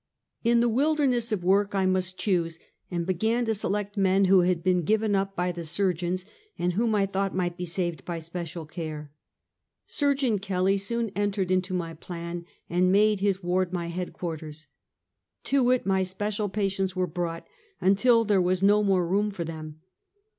In the wilderness of work I must choose, and began to select men who had been given up by the surgeons, and whom I thought might be saved bv special care. Surgeon Kelly soon entered into my plan, and made his ward my headquarters. To it my special patients were brought, until there was no more room for them.